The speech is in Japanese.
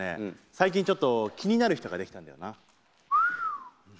最近ちょっと気になる人ができたんだよな。